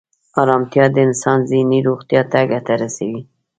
ارامتیا د انسان ذهني روغتیا ته ګټه رسوي.